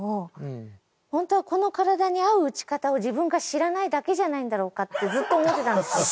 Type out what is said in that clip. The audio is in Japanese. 本当はこの体に合う打ち方を自分が知らないだけじゃないんだろうかってずっと思ってたんですよ。